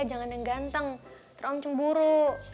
jangan yang ganteng terong cemburu